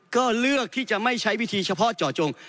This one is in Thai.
ก็เลือกที่จะไม่ใช้วิธีเฉพาะเจาะจง